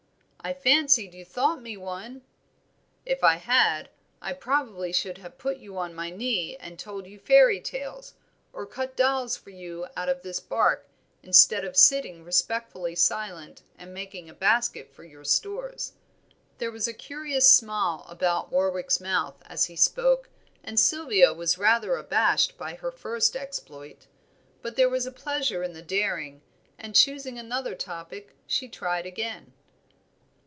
"I fancied you thought me one." "If I had, I probably should have put you on my knee, and told you fairy tales, or cut dolls for you out of this bark, instead of sitting respectfully silent and making a basket for your stores." There was a curious smile about Warwick's mouth as he spoke, and Sylvia was rather abashed by her first exploit. But there was a pleasure in the daring, and choosing another topic she tried again.